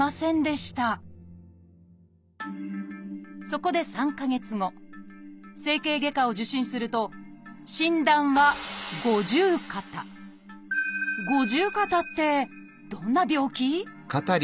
そこで３か月後整形外科を受診すると診断は「五十肩」ってどんな病気？